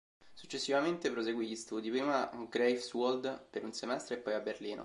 Successivamente proseguì gli studi, prima a Greifswald, per un semestre, e poi a Berlino.